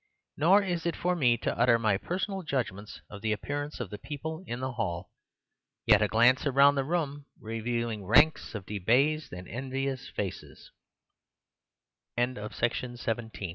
Nor is it for me to utter my personal judgements of the appearance of the people in the hall. Yet a glance round the room, revealing ranks of debased and envious faces—" "Adopting," said M